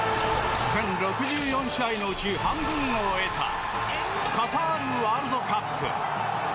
全６４試合のうち半分を終えたカタールワールドカップ。